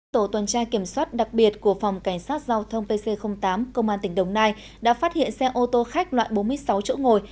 tổ tuần tra kiểm soát đặc biệt của phòng cảnh sát giao thông pc tám công an tỉnh đồng nai đã phát hiện xe ô tô khách loại bốn mươi sáu chỗ ngồi